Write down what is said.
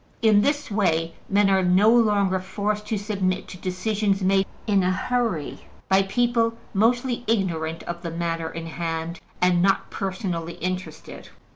In this way, men are no longer forced to submit to decisions made in a hurry by people mostly ignorant of the matter in hand and not personally interested.